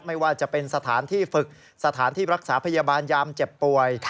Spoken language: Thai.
ไม่ว่าจะเป็นสถานที่ฝึกสถานที่รักษาพยาบาลยามเจ็บป่วย